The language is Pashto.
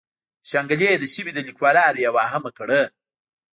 د شانګلې د سيمې د ليکوالانو يوه اهمه کړۍ